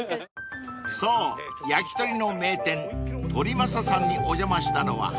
［そう焼き鳥の名店鳥政さんにお邪魔したのは８年前］